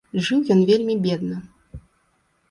Жыў ён вельмі бедна.